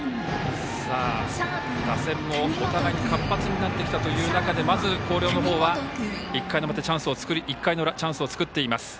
打線もお互いに活発になってきたという中でまず、広陵の方は１回の裏チャンスを作っています。